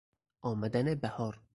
آمدن بهار